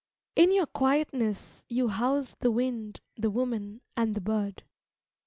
In your quietness you house The wind, the woman and the bird.